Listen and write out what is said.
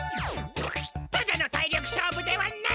ただの体力勝負ではない。